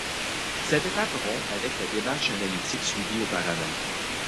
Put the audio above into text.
Cette étape rompt avec la démarche analytique suivie auparavant.